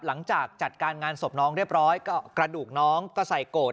หลังจากจัดการงานศพน้องเรียบร้อยก็กระดูกน้องก็ใส่โกรธ